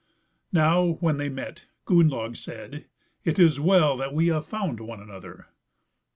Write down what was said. Now when they met, Gunnlaug said, "It is well that we have found one another."